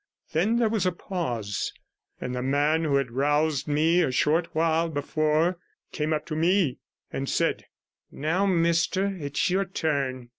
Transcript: Then there was a pause, and the man who had roused me a short while before came up to me, and said — 'Now, mister, it's your turn.